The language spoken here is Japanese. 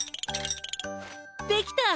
できた！